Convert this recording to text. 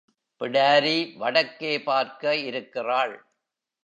பிடாரி வடக்கே பார்க்க இருக்கிறாள்.